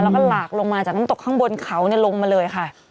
แล้วก็หลากจากงตกข้างบนเขาลงมาเลยค่ะ